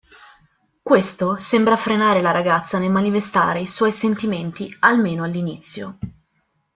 Questo sembra frenare la ragazza nel manifestare i suoi sentimenti, almeno all'inizio.